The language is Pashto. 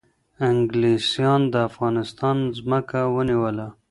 انگلیسان د افغانستان ځمکه ونیوله